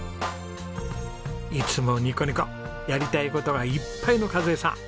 いつもニコニコやりたい事がいっぱいの和枝さん。